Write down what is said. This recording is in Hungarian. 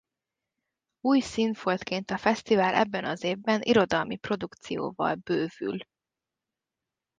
Új színfoltként a fesztivál ebben az évben irodalmi produkcióval bővül.